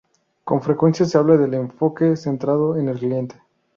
Con frecuencia se habla de "enfoque centrado en el cliente".